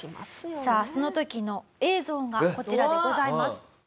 さあその時の映像がこちらでございます。